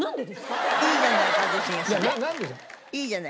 いいじゃない。